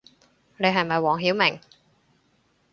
你係咪黃曉明